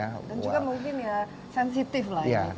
dan juga mungkin ya sensitif lah ini kan